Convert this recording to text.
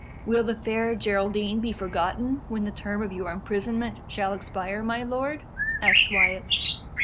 "Will the Fair Geraldine be forgotten when the term of your imprisonment shall expire, my lord?" asked Wyat.